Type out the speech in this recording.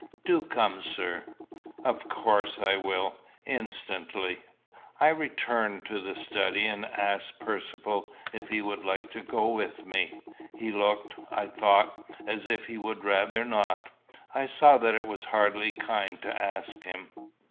Do come, sir." "Of course I will instantly." I returned to the study, and asked Percivale if he would like to go with me. He looked, I thought, as if he would rather not. I saw that it was hardly kind to ask him.